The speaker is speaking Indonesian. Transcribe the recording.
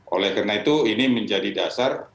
oleh karena itu ini menjadi dasar